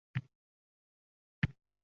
Iris qog‘ozidagi kuchukchaga tikildi.